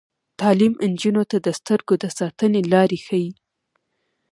تعلیم نجونو ته د سترګو د ساتنې لارې ښيي.